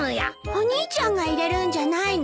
お兄ちゃんが入れるんじゃないの？